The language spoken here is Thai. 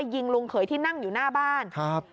ยิงลุงเขยที่นั่งอยู่หน้าบ้านครับ